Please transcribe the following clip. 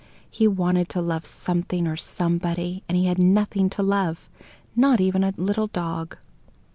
He wanted to love something or somebody, and he had nothing to love not even a little dog.